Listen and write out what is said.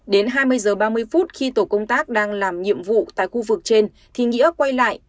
đến hai mươi h ba mươi phút khi tổ công tác đang làm nhiệm vụ tại khu vực trên thì nghĩa quay lại